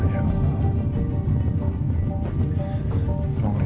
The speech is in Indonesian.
jangan biarkan dia pergi dari hidup saya ren